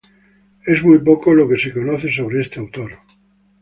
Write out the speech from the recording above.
Es muy poco lo que se conoce sobre este autor.